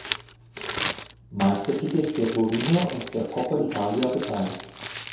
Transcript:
Meistertitels der Turiner und der Coppa Italia beteiligt.